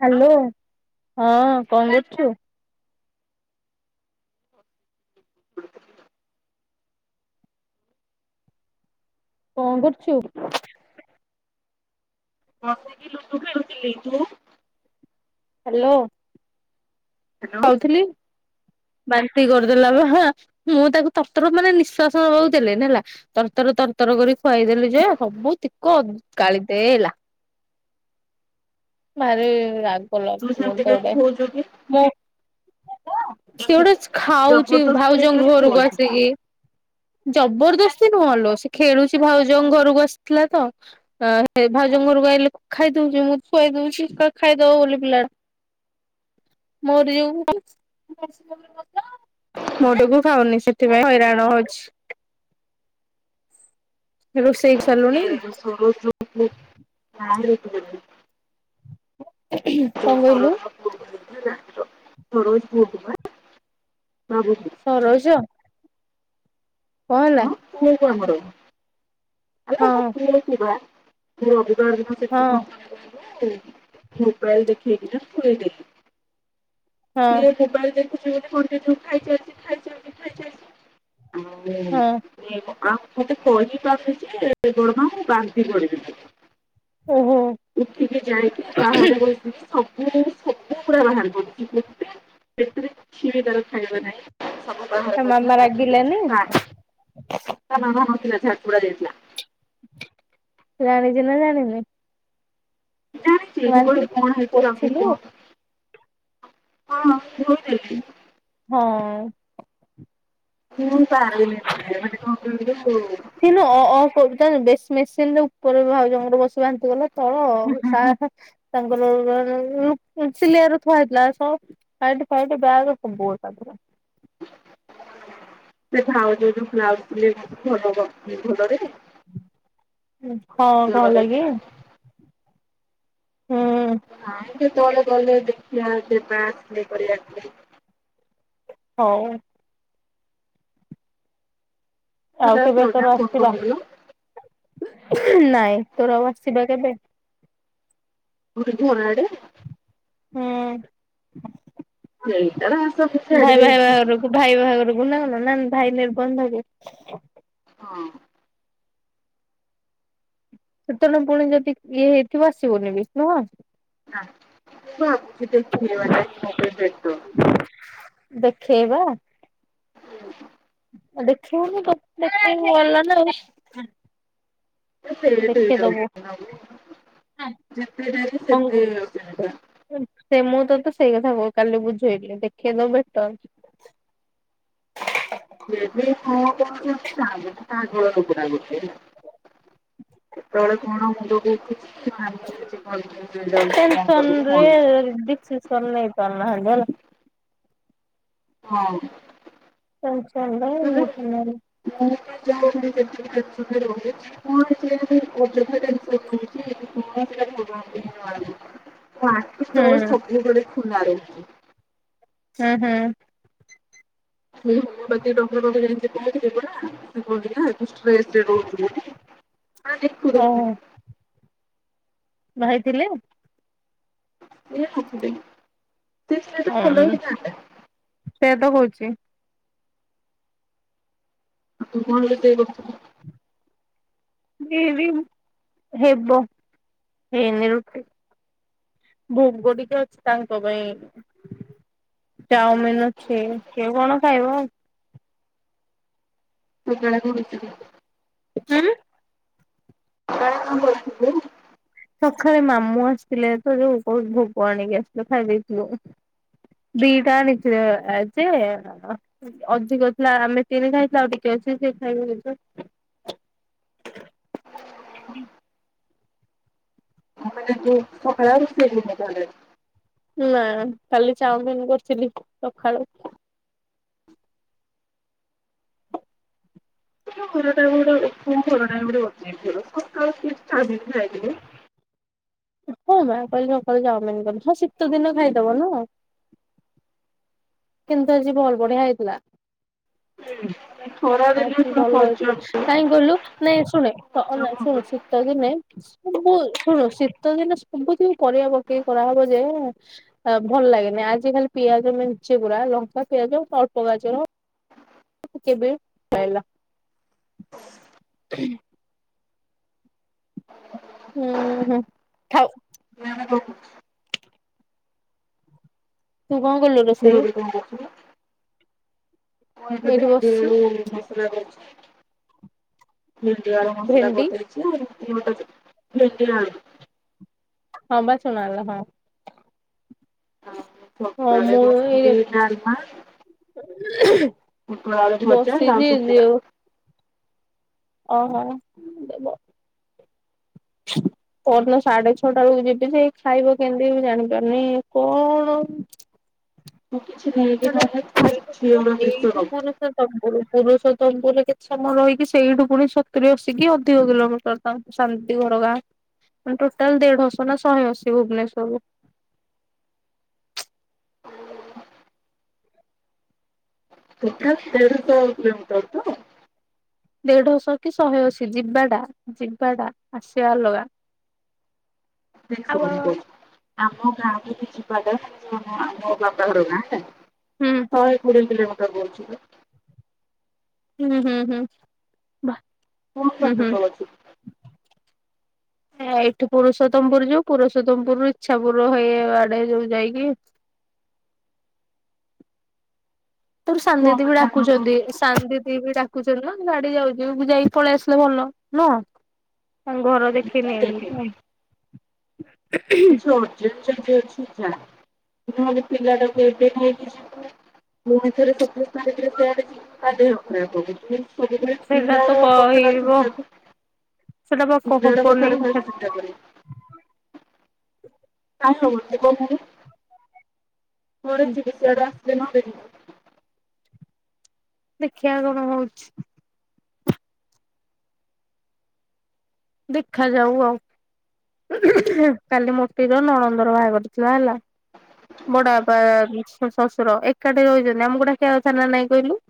Hello, ହଁ କଣ କରୁଛୁ? [unintelligible] କଣ କରୁଛୁ? ବସିକି ଲୁଡୁ ଖେଳୁଥିଲି। ତୁ? ହ୍ୟାଲୋ। ହ୍ୟାଲୋ ଖାଉଥିଲି। ବାନ୍ତି କରିଦେଲା ବା, ହା। ମୁଁ ତାକୁ ତରତର ମାନେ ନିଃଶ୍ବାସ ନବାକୁ ଦେଲିନି ହେଲା। ତରତର ତରତର କରି ଖୁଆଇଦେଲି ଯେ, ସବୁତିକ ଗାଳିଦେଲା। ଭାରି ରାଗ ତୁ ଲାଗୁଚି ସେମିତି କାଇଁ ମୋନ୍ତେଅଟେ। ଖୋଉଛୁ କି [unintelligible] ସେ ଗୋଟେ ଏମିତି ଖାଉଛି, ଜବରଦସ୍ତ କରି ଭାଉଜଙ୍କ କାଇଁ ଘରକୁ ଖୋଉଛୁ ଆସିକି। ଜବରଦସ୍ତି ନୁହଲୋ, ସେ ଖେଳୁଛି ଭାଉଜଙ୍କ ଘରକୁ ଆସିଥିଲା ତ। ଆ ହେ ଭାଉଜଙ୍କ ଘରୁକୁ ଆଇଲେ ଖାଇଦଉଛି, ମୁଁ ଖୁଆଇ ଦଉଛି, ଖାଇଦବ ବୋଲି ପିଲାଟା। ମୋରି ଯୋଗୁଁ ମୋ ଟୁକୁ ଖାଉନି, ସେଥିପାଇଁ ହଇରାଣ ହଉଛି। ରୋଷେଇ। ସାରିଲୁଣି [unintelligible] କାହାରିକୁ ଦେବିନି। କଣ କହିଲୁ? [unintelligible] ସରୋଜ ପୁଅ କୁ ବା ଭାବୁଛି। ସରୋଜ! କଣ ହେଲା? ହଁ ପୁଅକୁ ଆମର, ଆଲ ହଁ ଆମ ପୁଅକୁ ବା। ପୁଅକୁ ତ ଆଜିଠୁ ହଁ ସେତି [inaudible] ମୋବାଇଲ ଦେଖେଇକିନା ଖୁଏଇଦେଲିି। ହଁ ସିଏ ମୋବାଇଲ ଦେଖୁଛି, ବୋଲି ମମି ଠୁ ଖାଇ ଚାଲିଚି, ଖାଇ ଚାଲିଚି, ଖାଇ ଚାଲିଚି। ହଁ [inaudible] ଆ ମତେ କହିପାରୁନି ଯେ ହ ମୁଁ ଵାନ୍ତି କରି ଦେଇଚି। ଓହୋ। ଉଠକି ଯାଇକି ବାହାରେ ବସିଚି ତ। ମୁଁ ସବୁ ପୁରା ବାହାର କରିଦେଇଚି ପେଟରେ କିଛି ବି ତାର ଖାଇବା ନାହିଁ ସବୁ ବାହାରେ ମାମା ପଡ଼ିଥିଲା ତା ପରେ ରାଗିଲାନି ଖୁଆଉଚିପା ତା ମାମା ନଥିଲା ଝାରପଡ଼ା ଯାଇଥିଲା। ଜାଣିଛି ନା ଜାଣିନି? ଜାଣିଛି ମୁଁ ମାନସି କହିଲି କଣ ହେଇଛି ଜଲଦି ପୋଛିଲୁ କୁହ? ହଁ ହଁ ଥୋଇଦେଲି। ହଁ। ହୁଁ ପା ଆଇଲେ [inaudible] କଣ କହିଲୁ? ସେ ନୁହଁ ଅ ଅ କରୁଥିଲା ବେଶି ମେସିନରେ ଉପରେ ଭାଉଜଙ୍କର ବସି ବାନ୍ତି କଲା ତଳ ଅ ଅ ତାଙ୍କର ସିଲିଆର ଥୁଆ ହେଇଥିଲା ସ ପାଇଟି ଫାଇଟି ବ୍ୟାଗ୍ ସବୁ ଅଛି ତାଙ୍କର। ସେ ଭାଉଜ ଯୋଉ ବ୍ଲାଉଜ ସିଲେଇ କରୁଛି ଭଲ କରୁଛି ଭଲରେ। ହୁଁ କଣ କଣ ଭଲରେ ହେଲାକି? ହୁଁ ନାଇଁ କେତେବେଳେ ଗଲେ ଦେଖିଵା ସେ ପା ସିଲେଇ କରିବାକୁ। ହଉ। ଆଉ ତାର କେବେ ତୋର ପ୍ରୋଗ୍ରାମ ଫୋନ ଆସିବା କରୁନୁ କିଲୋ ନାଇଁ ତୋର ଆଉ ଆସିବା କେବେ? କୁଆଡେ ଘରଆଡେ। ହୁଁ। ସେଇଟା ସବୁ ଭାଇ ଭାଇ ଛାଡ଼ିଦେଇଛି। ବାହାଘରକୁ ଭାଇ ବାହାଘରକୁ ନା ଗଲ ନା ଭାଇ ନିର୍ବନ୍ଧକୁ। ହଁ। ସେତେବେଳେ ପୁଣି ଯଦି ଇଏ ହେଇଥିବ ଆସିବୁନି ବି ନୁହଁ। ହ ଅଛିିତ ଦେଖିବା [inaudible] ଦେଖେଇବା। ହୁ। ଆଉ ଦେଖିବୁନୁ ଦେଖୁ ଗଲା ନା ଆଉ ସେଠ ଦେଖେଇଦବୁ ହେଇଯାଉଛନ୍ତି ଆଉ ଯେତେ ନେଲେ ସେତେ [inaudible] ସେ ମୁଁ ତ ତ ସେଇ କଥା କ କାଲି ବୁଝେଇଲି ଦେଖେଇ ଦବୁ ବେଟର। ଯଦି ହଁ କୁହନ୍ତେ [inaudible] ଯେତେବେଳେ କଣ ମୁଣ୍ଡକୁ ଉଠୁଛି [inaudible] କଣ କରିବୁ କଣ ନାଇଁ। [inaudible] ତରଲନାଇଁ ତରାଲାହବ ହେଲା। ହଁ। [inaudible] ମୁଁ ପା ଯାଇଥିଲି ଦେଖିବାକୁ [inaudible] [inaudible] ମୋ ଅଫିସ ତ ସବୁ ବଳେ ଖୁଲା ରହିଛି। ହଁ ହଁ। [inaudible] ତୁ କହୁଥିଲୁ ନା ତୁ ଷ୍ଟ୍ରେସରେ ରହୁଥିଲୁ ହା ଦେଖୁ ଦେଖୁ। ଭାଇଥିଲେ। ଇଏ ଆସିବେନି। ହଁ ସେୟା ତ କହୁଛି। ତୁ କଣ ଦେଖେଇବାକୁ କହୁଥିଲୁ? ଯିବି ହେବ ହେଇନି ରୁପି। ଭୋଗ ଟିକେ ଅଛି ତାଙ୍କ ପାଇଁ। ଚାଉମିିନ ଅଛି ସିଏ କଣ ଖାଇବ? [unintelligible] [inaudible] [inaudible] ସଖାଳେ ମାମୁଁ ଆସିଥିଲେ ତ ଯଉ ବହୁତ ଭୋଗ ଆଣିକି ଆସିଲ ଖାଇଦେଇଥିଲୁ। [unintelligible] ଅଧିକ ଥିଲା ଆମେ ତିନି ଖାଇଥିଲୁ ଆଉ ଟିକେ ଅଛି ସେ ଖାଇବେ ବୋଧେ। ମାନେ ତୁ ସକାଳ [unintelligible] ନା କାଲି ଚାଓମିିନ୍ କରଥିଲି ସକାଳୁ। ଘରଟା ଗୋଟେ [inaudible] [inaudible] ପୋଟଳ ଚିପ୍ସ ଚାଓମିନ୍ ଖାଇଥିଲୁ। ହଁ ମା କହିଲେ ସକାଳ ଚାଓମିନ କର ହଁ ଶୀତ ଦିନ ଖାଇଦବ ନା? କିନ୍ତୁ ଆଜି ଭଲ ବଢିଆ ହେଇଥିଲା। ଖରା ଦିନେ ଆଜି ପୁରା ଭଲ ହେଇଥିଲା ହଜ କାଇଁ କହିଲୁ ନାଇଁ ଶୁଣେ ହଜମ [inaudible] ଶୁଣୁୁ। ହବନି ଶୀତ ଦିନେ ସବୁ ଶୁଣୁ ଶୀତ ଦିନେ ସବୁଥିବ ପରିବା ପକେଇ କରାହେବ ଯେ ଆ ଭଲ ଲାଗେନି ଆଜିିଖାଲି ପିଆଜ ମେଞ୍ଚେ ଗୁରା ଲଙ୍କା ପିଆଜ ଅଳ୍ପ ଗାଜର। କେବେ [inaudible] ପାଇଲା? ହୁଁ ହୁଁ ଥାଉ। ନା [inaudible] ତୁ କଣ କଲୁ? ରୋଷେଇ [inaudible] ମୁଁ ଏବେ ଏଇଠି ଭେଣ୍ଡି ବସିଛି ଆଳୁ ମସଲା କରିଛି ଭେଣ୍ଡି ଆଳୁ ମସଲା ଭେଣ୍ଡି କରିଦେଇ ସେ [inaudible] ଭେଣ୍ଡି ଆଳୁ। ହଁ ବା ଶୁଣାଗଲା ହଁ। ଆଉ ହଁ ସକାଳେ ମୁଁ ଏଇ କରିଥିଲି ଡାଲମା। ପୋଟଳ ଆଳୁ ଭଜା ଲାଉ ବସିଛି ସନ୍ତୁଳା। ଯୋଉ ଓହୋ ଦେବ। [inaudible] ପହରଦିନ ସାଢେ ଛଅ ଟା ବେଳକୁ ଯିବି ଯେ ଖାଇବ କେମିତି ବି ଜାଣିପାରୁନି କଣ। ତୁ କିଛି ନେ କି ମାନେ ନନେ ତୁ ଫାଷ୍ଟ ଝିଅର [inaudible] ନବୁ। ତମପୁର ପୁରୁଷତମପୁର କେତେ ସମୟ ରହିକି ସେଇଠୁ ପୁଣି ସତୁରି ଅସିକି ଅଧିକ କିଲୋମିଟର। ଶାନ୍ତି ଘର ଗାଁ ମାନେ ଟୋଟାଲ୍ ଦେଢଶହ ନା ଶହେଅଶୀ ଭୁବନେଶ୍ଵରରୁୁ। ଟୋଟାଲ୍ ଦେଢ଼ଶହ କିଲୋମିଟର ତ? ଦେଢଶହ କି ଶହେଅଶୀ ଯିବାଟା ଯିବାଟା ଆସିବା ଅଲଗା। [inaudible] ଆଉ ଶୁଣୁ [inaudible] ଆମ ଗାଁକୁ ଏଠି ଜିବାଟା ମାନେ ଆମ ବାପଘର ଗାଁ ହେଲା। ହୁଁ ଶହେକୋଡ଼ିଏ କିଲୋମିଟର ବଢୁଛି ପା। ହୁଁ ହୁଁ ହୁଁ ବାଃ କଣ ହୁଁ ବାଟ ହୁଁ। ତ ଅଛି [inaudible] ଏ ଏଇଠି ପୁରୁଷୋତମପୁର ଯୋଉ ପୁରୁଷୋତମପୁର ରୁ ଇଚ୍ଛା ପୁର ହେଇ ଆଡେ ଯୋଉ ଯାଇକି ତୋର ସାନ୍ କଣ ଦିଦି ମାନେ ବି ତାଙ୍କର ଡାକୁଛନ୍ତି ସାନ୍ ଦିଦି ବି ଡ଼ାକୁ ଡାକୁଛନ୍ତି ନା ଗାଡି ଯାଉଛି ମୁଁ ଯାଇକି ପଳେଇ ଆସିଲେ ଭଲ ନା। ତାଙ୍କ ଘର କଣ ଦେଖିନେଇ ଦେଖେ ବି। କିଛି ଅର୍ଜେଣ୍ଟ ଯଦି ଅଛି ଯା ନହେଲେ ପିଲାଟାକୁ ଏବେ ନେଇକି ଯିବୁ ପୁଣି ଥରେ ସତେଇଶ ତାରିଖରେ ସେଆଡେ ଯିବୁ ତା ଦେହ ଖରାପ ହବ। ଯେତେବେଳେ ସେଇଟା ତ ପିଲାର କଥାଟା କହିବ ଚିନ୍ତା ସେଟା ବା କଲୁ। କ ପିଲାର ହବନି କଥାଟା ଫାଷ୍ଟ ଚିନ୍ତା କରି କାଇଁ ହଉଛି କହୁନୁ ଘରେ ଚିଡି ସିଆଡୁ ଆସିଲେ ନହେଲେ ଯିବୁ। ଦେଖିଆ କଣ ହଉଛି। ଦେଖା ଯାଉ ଆଉ। କାଲି ମୋଟିର ନଣନ୍ଦର ବାହାଘର ଥିଲା ହେଲା। ବଡବାପା ଉଁ ଶ ଶଶୁର ଏକାଠେ ହୋଇଚନ୍ତି ଆମୁକୁ ଡାକିଆ କଥା ନା ନାଇଁ କହିଲେ।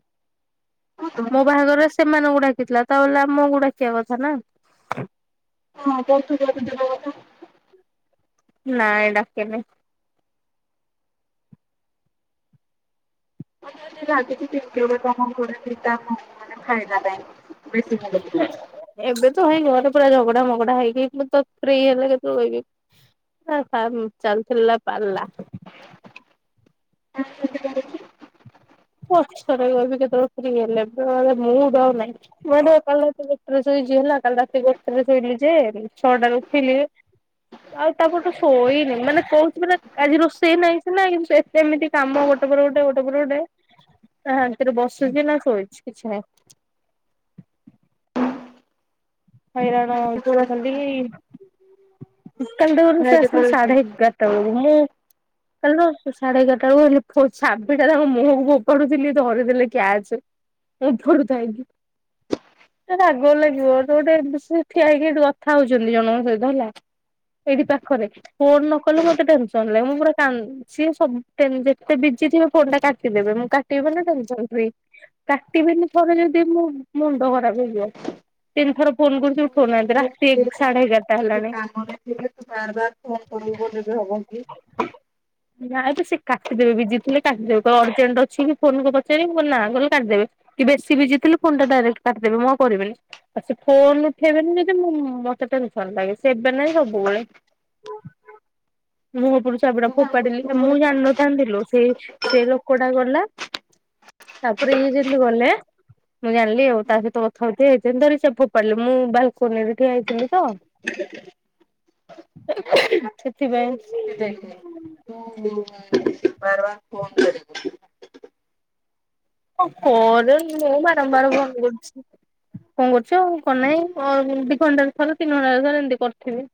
ହଁ ତ ମୋ ବାହାଘରରେ ସେମାନଙ୍କୁ ଡାକିଥିଲା ତା ବୋଲେ ଆମୁକୁ ଡାକିିଆ କଥା ନା। [inaudible] ହଁ ତାହେଲେ ତୁ ଯାହା ବି ଯିବା କଥା। ନାଇଁ ଡାକିନି। ସେ ରାଗିଚି କିଏ ଉଠେଇବ [unintelligible] ମାନେ ଖାଇବା ପାଇଁ ବେଶୀ ମୁଣ୍ଡ ବୁଲଉଛି। ଏବେ ତ ଭାଇ ଘରେ ପୁରା ଝଗଡା ମଗଡା ହେଇକି ମୁଁ ତ ଫ୍ରି ହେଲେ କେତେବେଳେ କି? ଆଉ [unintelligible] ଚାଲଥିଲା ପାଲା। [unintelligible] ପଛରେ କହିବି କେତେବେଳେ ଫ୍ରି ହେଲେ ଏବେ ଆଉ ମୁଡ୍ ଆଉ ନାହିଁ। ମୁଁ କାଲି ଏକାବେଳେ ରାତି ଗୋଟେରେ ଶୋଇଛି ହେଲା କାଲି ରାତି ଗୋଟେରେ ଶୋଇଲି ଯେ ଉଁ ଛଅଟାରେ ଉଠିଲି। ଆଉ ତାପରଠୁ ଶୋଇନି ମାନେ କହୁଚି ମାନେ ଆଜି ରୋଷେଇ ନାଇଁ ସିନା କିନ୍ତୁ ଶୋଏ କେମିତି କାମ ଗୋଟେ ପରେ ଗୋଟେ ଗୋଟେ ପରେ ଗୋଟେ ନା ଶାନ୍ତିରେ ବସୁଚି ନା ଶୋଇଛି କିଛି ନାଇଁ। ହଇରାଣ ହଉଛୁ ଖାଲି। [unintelligible] ସେ ଆସିଲେ ସାଢେ ଏଗାରଟା ବେଳୁକୁ ମୁଁ କାରଣ ମୁଁ ସାଢେ ଏଗାରଟା ବେଳୁକୁ [unintelligible] ଛାବିଟା ତାଙ୍କ ମୁହଁକୁ ଫୋପାଡୁଥିଲି ଧରିଦେଲେ କ୍ୟାଚେ। ଏପଟୁ ଥାଇକି ଏ ରାଗ ଲାଗିବ। କୋଉଠେ ମିଶିକି ଠିଆ ହେଇକି ଏଠି କଥା ହଉଛନ୍ତି ଜଣଙ୍କ ସହିତ ହେଲା। ଏଇଠି ପାଖରେ ଫୋନ୍ ନ କଲୁ ମତେ ଟେନସନ୍ ଲାଗେ ମୁଁ ପୁରା କାନ୍ଦ୍ ସିଏ ସମ୍ ପେନ୍ ଯେତେ ବିଜି ଥିବେ ଫୋନଟା କାଟିଦେବେ ମୁଁ କାଟିବି ମାନେ [unintelligible] କାଟିବେନି ଥରେ ଯଦି ମୋ ମୁଣ୍ଡ ଖରାପ ହେଇଯିବ। ତିନ ଥର ଫୋନ କରୁଚି ଉଠଉନାହାନ୍ତି ନା ଠିକ୍ ସାଢେ ଏଗାର୍ ସେ କାମରେ ଥିବେ ତୁ ବାର୍ ବାର୍ ଫୋନ୍ କରିବୁ ବୋଲି ବି ହବ କି। ନାଇଁ ବେ ସିଏ କାଠିଦେବେ ବିଜି ଥିଲେ କାଟିଦେବେ କଁ ଅର୍ଜେଣ୍ଡ୍ ଅଛି କି ଫୋନ୍ ନଗେଇ ପଚାରିବେ ମୁଁ [unintelligible] ନା କଇଲେ କାଟିଦେବେ। କି ବେଶୀ ବିଜି ଥିଲେ ଫୋନଟା ଡାଇରେକ୍ଟ କାଟିଦେବେ ମୁଁ ଆଉ କରିବିନି। ଆଉ ସେ ଫୋନ ଉଠେଇବେନି ଯଦି ମୁଁ ମତେ ଟେନସନ୍ ଲାଗେ ସେ ଏବେ ନାଇଁ ସବୁବେଳେ। ମୋ ଓପୁରୁ ଚାବିଟା ତୁ ଫୋପ୍ ତାଙ୍କୁ ପାଡିଲେ ତୁ ଏ ଗୋଟେ ମୁଁ କାମ ଜାଣିନଥାନ୍ତି ଲୋ ସେଇ ସେଇ ଲୋକଟା ଗଲା ତାପରେ ଇଏ ଯେତେଲେ ଗଲେ ମୁଁ ଜାଣିଲି ଆଉ ତା ସହିତ କଥା ହଉଥିବେ ଯେନ୍ତି ଧରି ସେ ଫୋପାଡିଲେ ମୁଁ ବାଲକୁନିରେ ଠିଆ ହେଇଥିଲି ତ ହ ସେଥିପାଇଁ ଏ ଦେଖେ ତୁ ଉଁ ବାରବାର୍ ଫୋନ୍ କରିବୁନୁ। କଁ କରେ ମୁଁ ବାରମ୍ବାର ଫୋନ୍ କରୁଛି। କଁ କରୁଛ କଁ ନାଇଁ ଅ ଦି ଘଣ୍ଟାରେ ଥରେ ତିନି ଘଣ୍ଟାରେ ଥରେ ଏନ୍ତି କରୁଥିବି।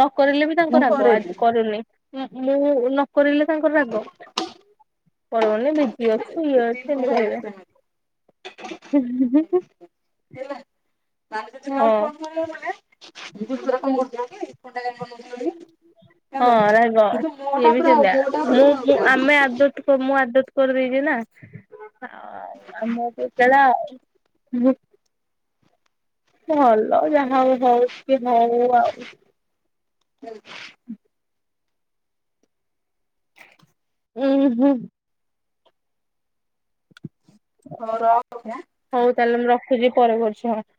ନକରିଲେ ବି ତାଙ୍କ ମୁଁ ରାଗ କରେନି ଆଜି କରୁନି। ମୁଁ ମୁଁ ନକରିଲେ ତାଙ୍କର ରାଗ କହିଲନି ବିଜି ଅ ଛି ଇଏ ଅଛ ଦିପୁ ଇନ୍ତି ଭାଇ ବି କହିବେ। ସେମିତି ଦିନେ ହଁ। ଆଉ ଫୋନ୍ କଲିନି ମୁଁ ବି ଆଜି ଦିନ ସାରା କଁ କରୁଥିଲୁ କି ଫୋନଟା କାଇଁ କରୁନଥୁଲୁ। ହଁ ରାଗ ମୋ ଟା ଇଏ ବି ପୁରା ସେନ୍ତିଆ ମୋ ଟା ମୁଁ ମୁଁ ଆମେ ଆଦତ୍ ତ ମୁଁ ଆଦତ୍ କରିଦେଇଚି ନା। ଆଉ ଆମ ଓପୁରୁ [unintelligible] ମୁଁ ଭଲ ଯାହା ହଉ ହଉ କି ହଉ ଆଉ। ଉଁ ହୁଁ। ପୁରା ହଉ ତାହେଲେ ମୁଁ ରଖୁଚି ପରେ କରୁଛି ହଁ।